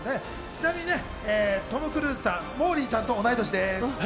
ちなみにトム・クルーズさん、モーリーさんと同い年です。